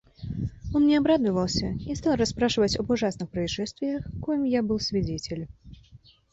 Он мне обрадовался и стал расспрашивать об ужасных происшествиях, коим я был свидетель.